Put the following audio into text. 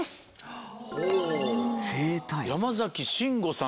山崎真吾さん